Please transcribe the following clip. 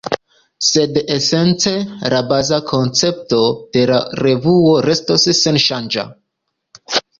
Sed esence la baza koncepto de la revuo restos senŝanĝa.